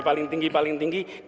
yang selalu dibanggakan